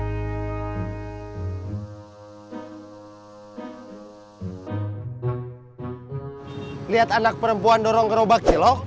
ibu ibu lihat anak perempuan dorong gerobak cilok